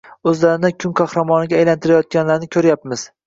O‘zlarini kun qahramoniga aylantirayotganini ko‘ryapmiz.